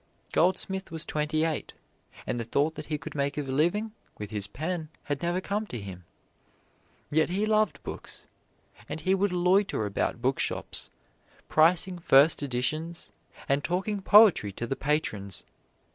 Goldsmith was twenty eight, and the thought that he could make a living with his pen had never come to him. Yet he loved books, and he would loiter about bookshops, pricing first editions, and talking poetry to the patrons.